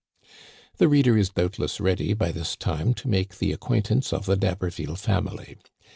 The reader is doubtless ready by this time to make the acquaintance of the D'Haberville family.